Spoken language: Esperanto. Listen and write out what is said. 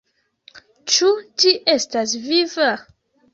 Ĉu ĝi estas viva?